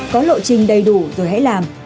có lộ trình đầy đủ rồi hãy làm